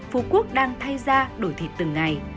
phú quốc đang thay ra đổi thịt từng ngày